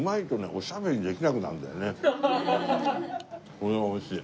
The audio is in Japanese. これは美味しい。